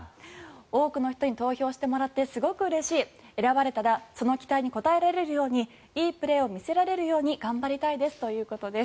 多くの人に投票してもらってすごくうれしい選ばれたらその期待に応えられるようにいいプレーを見せられるように頑張りたいですということです。